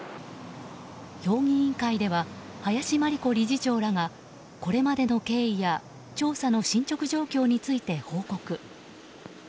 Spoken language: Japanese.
評議員会では林真理子理事長らがこれまでの経緯や調査の進捗状況について報告。